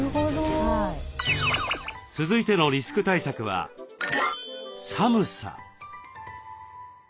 続いてのリスク対策は「寒さ」。